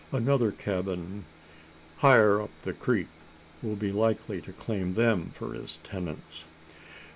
Another cabin, higher up the creek, will be likely to claim them for its tenants?"